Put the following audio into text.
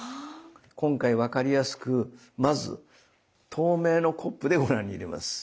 今回分かりやすくまず透明のコップでご覧に入れます。